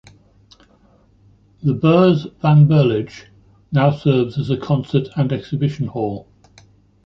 The Beurs van Berlage now serves as a concert and exhibition hall.